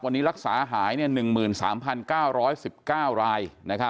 วันนี้รักษาหาย๑๓๙๑๙ราย